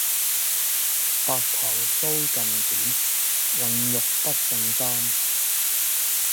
白頭搔更短，渾欲不勝簪。